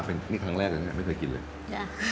เป็นนิดครั้งแรกอย่างนี้ไม่เคยกินเลย